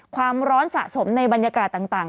ความร้อนสะสมในบรรยากาศต่าง